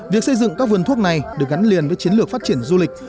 việc xây dựng các vườn thuốc này được gắn liền với chiến lược phát triển du lịch